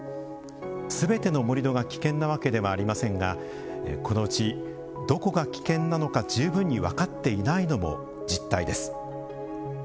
すべての盛土が危険なわけではありませんがこのうち、どこが危険なのか十分に分かっていないのも実態です。